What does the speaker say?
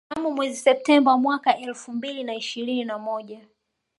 Mnamo mwezi Septemba mwaka elfu mbili na ishirini na moja